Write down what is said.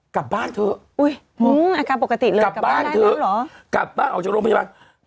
กลับบ้านเถอะอุ้ยอาการปกติเลยกลับบ้านเถอะกลับบ้านออกจากโรงพยาบาล